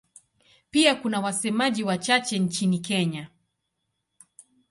Pia kuna wasemaji wachache nchini Kenya.